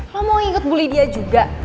lo mau ikut bully dia juga